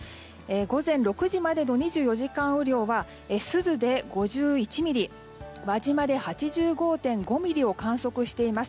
午前６時までの２４時間雨量は珠洲で、５１ミリ輪島で、８５．５ミリを観測しています。